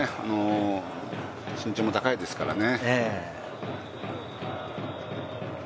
身長も高いですからね。